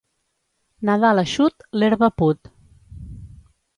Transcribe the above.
Nadal eixut, l'herba put.